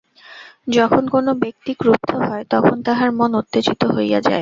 যখন কোন ব্যক্তি ক্রুদ্ধ হয়, তখন তাহার মন উত্তেজিত হইয়া যায়।